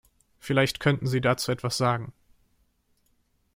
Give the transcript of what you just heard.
Vielleicht könnten Sie dazu etwas sagen.